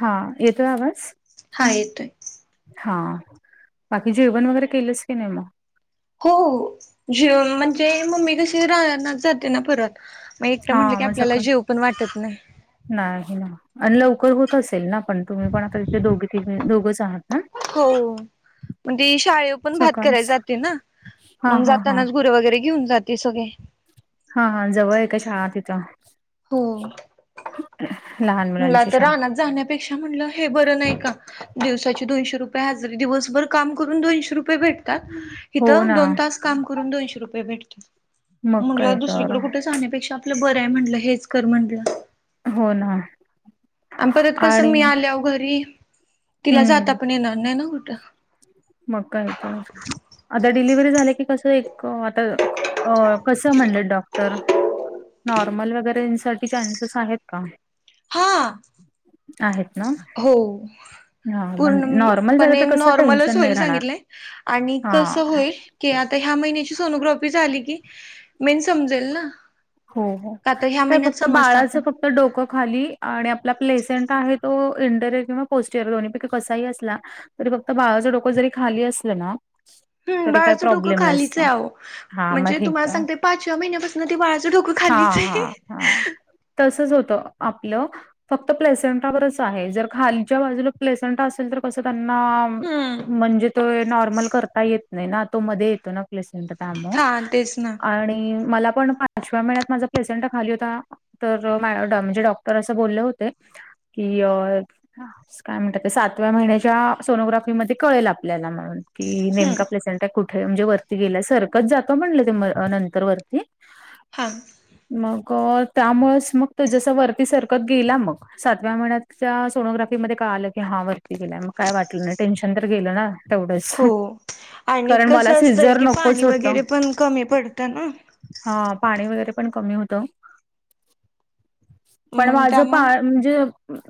हा येतोय आवाज? हा येतोय. हा बाकी जेवण वगैरे केलंस की नाही मग? हो हो. जेवन म्हणजे मम्मी कशी रानात जाते ना परत. मग एकटं म्हटलं हा की मग आपल्याला सकाळ जेवू पण वाटत नाही. नाही ह ना. आणि लवकर होत असेल ना पण. तुम्ही पण आता इथे दोघे त दोघंच आहात ना? हो. मग ती शाळेव पण भात करायला सकाळच जाते ना. हा मग हा हा जातानाच गुरं वगैरे घेऊन जाते. ते सगे. हा हा जवळे का शाळा तिथं? हो. लहान म्हटलं मुलांची आता शाळा? रानात जाण्यापेक्षा म्हणलं हे बरं नाही का? दिवसाची दोनशे रुपये हजरी. दिवसभर काम करून दोनशे रुपये भेटता. हो इथं ना दोन तास काम करून, दोनशे रुपये भेटता. मग काय म्हंटलं तर दुसरीकडे कुठे जाहण्यापेक्षा आपलं बरंय म्हंटलं. हेच कर म्हंटलं. हो ना. आणि परत कसं, आणि मी आल्याव घरी. तिला जाता हम्म पण येणार नाही ना कुठं. मग काय तर. आता डिलिव्हरी झाल्या की कसं एक आता अ कसं म्हणलेत डॉक्टर. नॉर्मल वगैरेसाठी चान्सेस आहेत का? हा. आहेत. ना हो. हां, मग पर्ण नॉर्मल झालं तर पणे कसं टेन्शन नॉर्मलच नाही होईल राहणार. सांगितलय. आणि कस हां, होईल की, आता ह्या महिन्याची सोनोग्राफी झाली की, मेन समजेल ना. हो हो. आता ह्या काय महिन्यात फक्त समजत आता बाळाचं फक् त डोकं खाली. आणि आपला प्लेसेंट आहे तो इंटरयर किंवा पोस्ट इयर दो्ही पैकी कसाही असला तरी फक्त बाळाचं डोकं जरी खाली असलं ना, हम्म तरी काही बाळाचं डोकं प्रॉब्लेम खालीचे नसतो. आहो. हां, मग म्हणजे ठीक तुम्हाला आहे. सांगते. पाचव्या महिन्यापासून ते बाळाचं डोकं खाल्लीचे. तसच होतं आपलं. फक्त प्लेसेंट्रावरच आहे. जर खालीच्या बाजूला प्लेसेंट्रा असेल तर कस त्यांना हम्म म्हणजे तो नॉर्मल करता येत नाही ना. तो मध्ये येतो ना. हा तेच ना [inaudible] आणि मला पण पाचव्या महिन्यात माझा प्लेसेंट खाली होता. तर मॅ म्हणजे डॉक्टर असं बोलले होते. की अ काय म्हणतात ते. सातव्या महिन्याच्या सोनोग्राफीमध्ये कळेल आपल्याला म्हणून. की हम्म नेमका प्रेसेंट कुठेय? म्हणजे वरती गेलाय सरकच जातं म्हणलं ते नंतर वरती. हा. मग त्यामुळेच मग तो जस वरती सरकत गेला मग. सातव्या महिन्यात च्या सोनोग्राफी मध्ये कळालं की हा वरती गेलाय मग काय वाटलं नाही. टेन्शन तर गेलं ना. एवढंच. हो. आणि कसं असतंय की, पाणी होतं. वगैरे पण कमी पडतं ना. हा पाणी वगैरे पण कमी होत. पण मग माझं पा त्यामुळं म्हणजे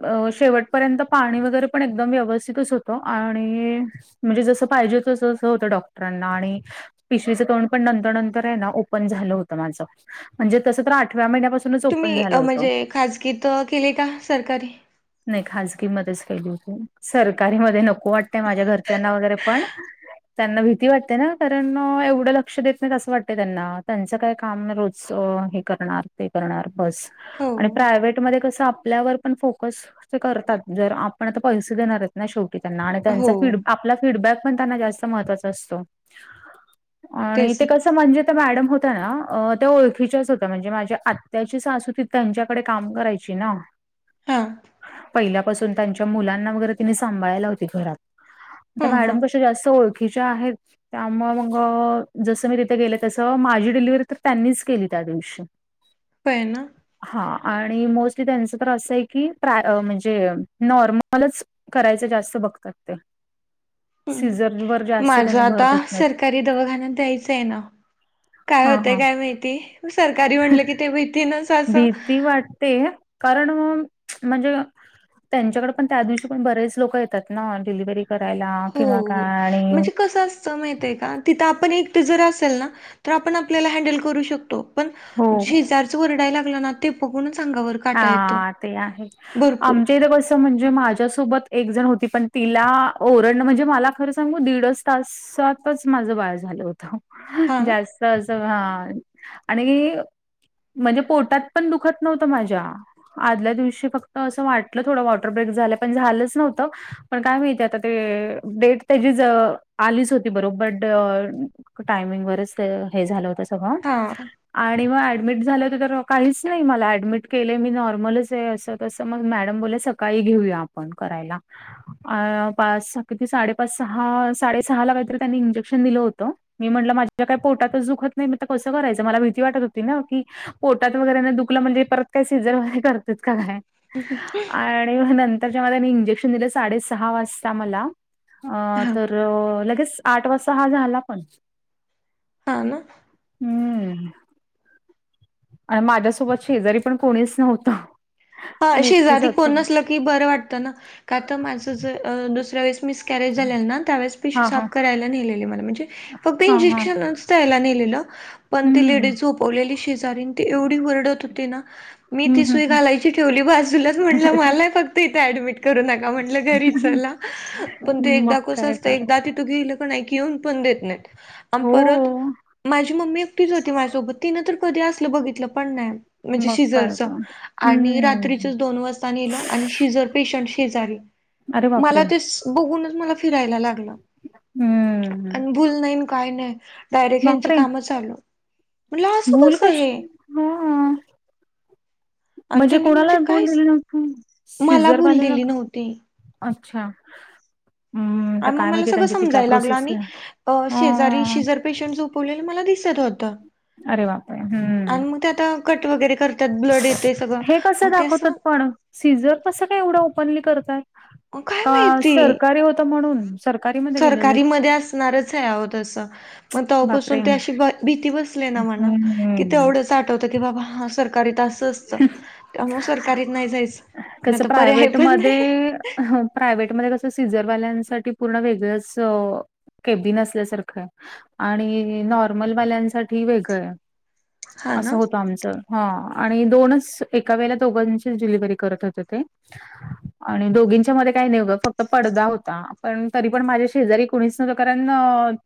अ शेवटपर्यंत पाणी वगैरे पण एकदम व्यवस्थितच होत आणि म्हणजे जस पाहिजे तस तस होत डॉक्टरांना आणि पिशवीच तोंड पण नंतर नंतर आहे ना ओपन झाल होत माझ म्हणजे तस तर आठव्या महिन्यापासून तुम्ही म्हणजे खाजगीत केली का सरकारी नाही खाजगी मधेच केली होती सरकारीमध्ये न नको वाटतय माझ्या घरच्यांना वगैरे पण. त्यांना भीती वाटते ना कारण एवढ लक्ष देत नाही अस वाटत त्यांना त्यांच काय काम रोज हे करणार ते करणार बस हो, आणि प्रायव्हेट मध्ये कस आपल्यावर पण फोकस ते करतात जर आपण आता पैसे देणार आहेत ना शेवटी त्यांना आणि हो. त्यांचा फीडब आपला फीडबॅक पण त्यांना जास्त महत्वाचा असतो आणि तेच ते ना. कस म्हणजे मॅडम होत्या ना. अ त्या ओळखीच्याच होत्या म्हणजे माझ्या आत्याची सासू ती त्यांच्याकडे काम करायची ना. हां पहिल्यापासून त्यांच्या मुलांना वगैरे सांभाळायला होती घरात त्या हां, हां. मॅडम कशा जास्त ओळखीच्या आहेत त्यामुळे मग जस मी तिथे गेले तस माझी डिलिव्हरी तर त्यांनीच केली त्या दिवशी. होय ना. हां आणि मोस्टली त्यांच तर असय की प्रा म्हणजे नॉर्मलच. करायच जास्त बघतात ते. सीझर वर हम्म जास्त माझ त्यांनी भर आता देत नाहीत. सरकारी दवाखान्यात द्यायच आहे ना. काय हा होतय हा काय माहिती सरकारी म्हटल की ते भीतीनेच अस भीती वाटते. कारण म्हणजे त्यांच्याकडे पण त्या दिवशी पण बरेच लोक येतात ना डिलिव्हरी करायला किंवा काय आणि कसय माहिती आहे का तिथं आपण एक तर जर असेल ना तर आपण आपल्याला हँडल करू शकतो. पण हो शेजारच वरडायला लागला ना ते बघूनच अंगावर [unintelligible] हां ते आहे भरपूर. आमच्या इथ कस म्हणजे माझ्यासोबत एक जण होती पण तिला ओरडन म्हणजे मला खर सांगू दीडच तास स्वतच माझ बाळ झालं होत हां, जास्त हा आणि म्हणजे पोटात पण दुखत नव्हत माझ्या. आदल्या दिवशी फक्त अस वाटल थोड वॉटर ब्रेक झाल पण झालच नव्हत. पण काय माहिती आता ते डेट त्याचीच आलीच होती बरोबर बट टायमिंग वरच ते हे झाल होत. तवा हां, आणि मग ऍडमिट झाले होत तेव्हा काहीच नाही मला ऍडमिट केले मी नॉर्मलच आहे असं तस मग मॅडम बोलल्या सकाळी घेऊया आपण करायला. अ पाच किती साडेपाच सहा साडेसहा ला काहीतरी त्यांनी इंजेक्शन दिल होत. मी म्हटल माझ्या काही पोटातच दुखत नाही मग तर कस करायचं मला भीती वाटत होती ना की पोटात वगैरे नाही दुखल म्हणजे परत काय सिझर वगैरे करतात का काय आणि त्याच्यामध्ये मी इंजेक्शन दिल साडे सहा वाजता मला हां, तर लगेच आठ वाजता हा झाला पण हा ना. हम्म आणि माझ्यासोबत शेजारी पण कोणीच नव्हत. हा शेजारी कोण नसल की बर वाटत ना का तर माणसाच दुसऱ्या वेळेस मिस कॅरेज झालेला ना त्यावेळेस पिशवी हां, हां, साफ करायला नेलेले मला म्हणजे फक्त हां, हां. इंजेक्शनच द्यायला नेलेले पण ते हम्म. लेडीज झोपवलेली शेजारी ती एवढी ओरडत तिनं मी हं, ती हं, सुई हं. घालाय ठेवली बाजूलाच म्हटलं मला फक्त इथे ऍडमिट करू नका म्हटलं घरी चला. पण ते मग एकदा कस काय असत तर. एकदा तिथ गेल क नाय की येऊन पण देत नाही अन् हो. परत माझी मम्मी एकटीच होती माझ्यासोबत तिनं तर कधी असलं बघितलं पण नाय. म्हणजे मग काय सीजरच तर. आणि रात्रीचे हम्म. दोन वाजता नेलो आणि सीजर पेशंट शेजारी अरे बापरे! मला ते बघूनच मला फिरायला लागलं हम्म. आणि भूल नाही आणि काय नाही. डायरेक्ट ह्यांची बापरे! काम चालू. म्हणलं असं भूल कसं हे कशा ला हां आणि म्हणजे त्यांनी कोणाला भुल काहीच दिलेले नव्हत मला भूल सीजरवालेला दिली का नव्हती अच्छा हम्म. तर अन् मग काय मला माहिती सगळं त्यांची ती काय समजायला लागल प्रोसेस आणि अ शेजारी शेजारी पेशंट झोपवलेले मला दिसत होत अरे बापरे! हम्म. आणि मग ते आता कट वगैरे त्यात ब्लड येते सगळं हे कसं मग ते अस दाखवतात पण? सीझर कसं काय एवढं ओपनली करतात. अहो काय का माहिती सरकारी होतं म्हणून? [inaudible] सरकारीमध्ये गेलेले? सरकारी मध्ये असणारच ये आओ तसं. मग बापरे! तव्हापासून ती अशी भीती बसले ना मनात की हम्म. तेवढच आठवतं की बाबा हा सरकारीत असं असत त्यामुळे सरकारीत नाही जायचं! नाही तर पर्याय आहे पण नाही. ह प्रायव्हेटमध्ये कसं सीझरवाल्यांसाठी पूर्ण वेगळंच अ केबिन असल्यासारखं आहे. आणि नॉर्मल वाल्यांसाठी वेगळं ये. हा असं ना. होत आमच हां आणि दोनच एका वेळी दोघांची डिलिव्हरी करत होते. [unintelligible] [inaudible] आणि दोघींच्या मध्ये काही नाही उग फक्त पडदा होता पण तरी पण माझ्या शेजारी कोणीच नव्हत कारण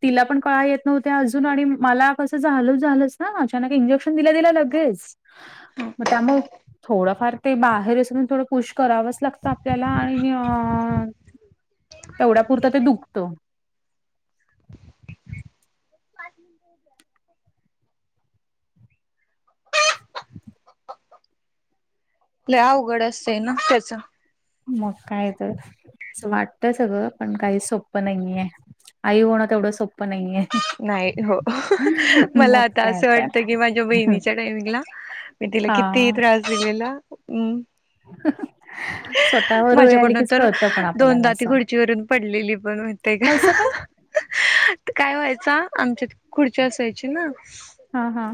तिला पण कळा येत नव्हत्या अजून आणि मला कसं झालं झालच. हा अचानक इंजेक्शन दिल्या दिल्या लगेच मग त्यामुळं थोडाफार ते बाहेर येऊस पर्यंत थोडं पुश करावंच लागतं आपल्याला आणि हां तेवढ्या पुुरतं ते दुखतं. [unintelligible] [unintelligible] लई अवघड असतंय [unintelligible] ना त्याचं. मग काय तर अस वाटत सगळं पण काही सोप्पं नाहीे ये आई होणं तेवढं सोपं नाहीेये. नाही हो [unintelligible] मला आता काय असं तर वाटत की माझ्या बहिणीच्या टायमिंगला मी तिला हा किती [unintelligible] त्रास दिलेला हम्म [unintelligible] वेळ आली माझ्याकडनून कीच तर कळतं पण आपल्याला दोनदा ती असं खुर्चीवरून पडलेली पण माहिती ये कसं काय? का [unintelligible] काय व्हायचा आमच्यात खुर्ची असायची ना हा हा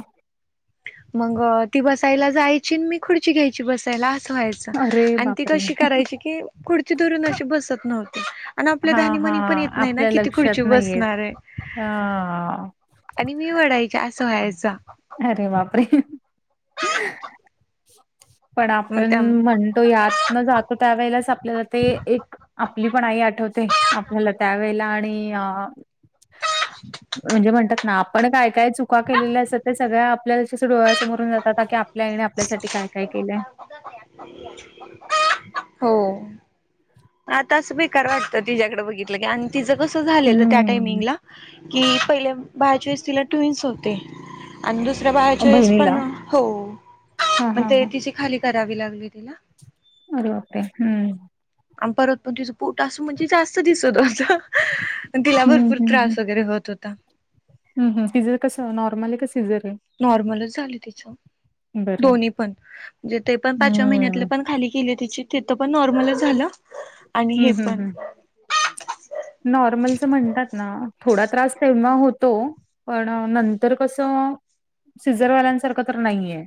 मग ती बसायला जायची अन् मी खुर्ची घ्यायची बसायला असं व्हायचं. अरे आणि ती बापरे! कशी करायची कि खुर्ची धरून अशी बसत नव्हती. आणि आपल्या हां ध्यानीमनी पण हां येत नाही ना आपल्या की ती खुर्ची लक्षात नाही येत. बसणार ये. हां. आणि मी वडाय ची असं व्हायचं. अरे बापरे. ह [unintelligible] पण मग आपण त्या म्हणतो, यात न जातो त्यावेेळेला आपल्याला ते एक, आपली पण आई आठवते आपल्याला त्यावेेळेला आणि म्हणजे म्हणतात ना आपण काय काय चुका केलेल्या असतात, ते सगळ्या आपल्या डोळ्या समोरून जातात. की आपल्या आई आपल्यासाठी काय काय केलंय. हो. आता असं बेकार वाटतं तिच्या्याकडे बघितलं की, आणि तिचं कसं झालेलं त्या हम्म. टाइमिंगला कि पहिले बाळाच्या वेळेस तिला ट्विन्स होते. आणि दुसऱ्या बाळाच्या वेळेस पण, बहिणीला. हो हां, पण हां, ते हां. तिची खाली करावी लागली तिला. अरे बापरे. हम्म आ परत पण तीज पोट अस म्हणजे जास्त दिसत होत. तिला हं, भरपूर त्रास वगैरे होत होता. हम् हम, तिज कस नॉर्मल आहे का सिझर आहे? नॉर्मलच झालं तिच, बरं. दोन्ही पण म्हणजे ते पण पाचव्या महिन्यात हं. पण खाली केली तिची, तिथं पण नॉर्मलच झालं. आणि हम्म, हे हम्म, पण हम्म नॉर्मलच म्हणतात ना, थोडा त्रास तेव्हा होतो. पण नंतर कसं, सिझरवाल्यांसारखं तर नाहीे.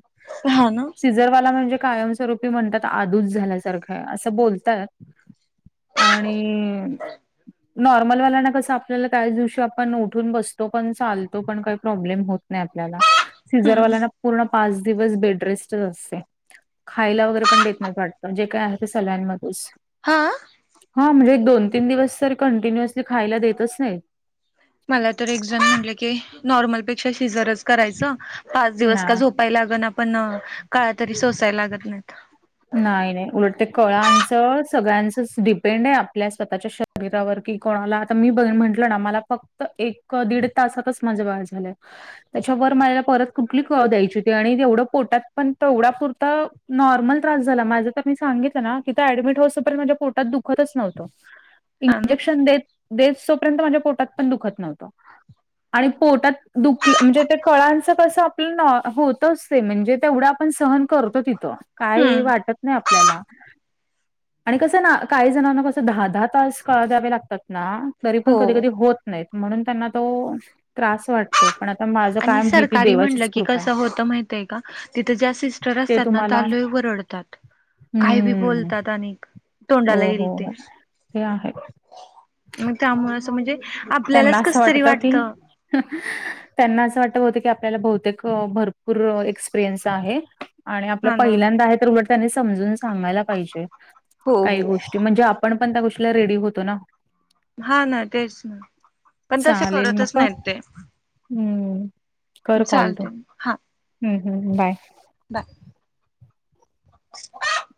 हा ना. सिजरवाला म्हणजे, कायमस्वरूपी म्हणतात आदूच झाल्यासारखं असं बोलतात. आणि नॉर्मलवाल्याना कस, आपल्याला त्याच दिवशी आपण उठून बसतो पण, चालतो पण, काही प्रॉब्लेम होत नाही आपल्याला, हम्म सीझरवाल्या ना पूर्ण पाच दिवस बेडरेस्टच असते. खायला वगैरे पण देत नाहीत वाटतं. जे काय ते सल्यामध्येच हा. हा म्हणजे एक, दोन- तीन दिवस तर कंटिन्युअसली खायला देतच नाही. मला तर एकजण म्हटलं की, नॉर्मलपेक्षा शिजरच करायच पाच दिवस का नाही. झो लाग ना पण, कळा तरी सोसायला लागत नाहीत. नाही- नाही उलट ते कळांच सगळ्यांचच डिपेंड आहे आपल्या स्वतःच्या श शरीरावर की कोणाला आता मी बघ म्हंटलं ना, मला फक्त एक -दीड तासातच माझं बाळ झालं. त्याच्यावर म परत कुठली कळ द्यायची होती. आणि तेवढ पोटात पण तेवढा पुरता नॉर्मल त्रास झाला, माझ्या तर मी सांगितलं ना तिथं ऍडमिट होस तोपर्यंत माझ्या पोटात दुखतच नव्हतं. हा ना इंजेक्शन देत- देसतोपर्यंत माझ्या पोटात पण दुखत नव्हतं. आणि पोटात दुखलं म्हणजे त्या कळांच कसं आपलं नॉ होतच ते म्हणजे तेवढं पण सहन करतो तिथं, काय हम्म वाटत नाही आपल्याला. आणि कसं ना काही जणांना कसं दहा -दहा तास कळा द्यावे लागतात ना तरी पण कधी हो -कधी होत नाहीत म्हणून त्यांना तो त्रास वाटतो. पण आता मा आणि सरकारी म्हणलं की कसं होतं माहित आहे का, तिथं ज्या सिस्टर ते असतात ना त्या तुम्हाला लई ओरडत्यात [inaudible] काही बी बोलतात अनीक, हो तोंडाला येईल हो ते. हो ते आहे मग त्यामुळे असं म्हणजे त्यांना आपल्यालाच असं कस तरी की वाटत. त्यांना असं वाट होतं की, आपल्याला बहुतेक भरपूर एक्सपिरियन्स आहे. आणि आपलं हा ना पहिल्यांदा आहे तर, उलट त्यांनी समजून सांगायला पाहिजे हो काही हो गोष्टी म्हणजे. आपण त्या गोष्टीला रेडी होतो ना. हा ना तेच ना, पण तसे चालेल मग करतच कर नाहीत ते. हम्म कर कॉल तू चालते हा हम्म हम्म बाय. बाय. [inaudible]